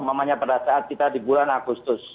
umumnya pada saat kita di bulan agustus